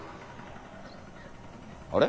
あれ？